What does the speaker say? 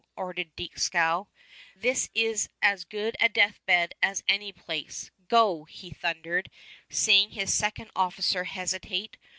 ordered Dieskau. "This is as good a deathbed as anyplace. Go!" he thundered, seeing his second officer hesitate.